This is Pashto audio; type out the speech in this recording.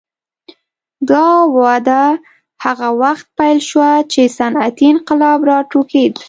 دا وده هغه وخت پیل شوه چې صنعتي انقلاب راوټوکېد.